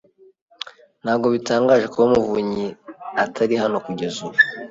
Ntabwo bitangaje kuba Muvunnyi atari hano kugeza ubu?